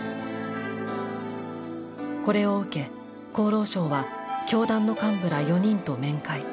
これを受け厚労省は教団の幹部ら４人と面会。